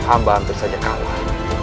amba hampir saja kalah